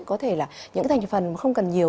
có thể là những cái thành phần mà không cần nhiều